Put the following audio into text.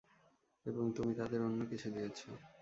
এবং তুমি তাদের অন্য কিছু দিয়েছ।